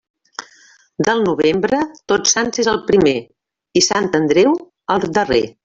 Del novembre, Tots Sants és el primer i Sant Andreu el darrer.